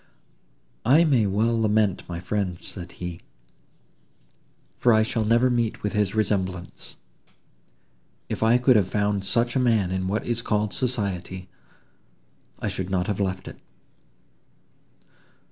"I may well lament my friend," said he, "for I shall never meet with his resemblance. If I could have found such a man in what is called society, I should not have left it."